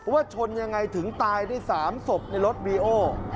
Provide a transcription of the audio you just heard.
ชนยังไงถึงตายได้๓ศพในรถวีโอ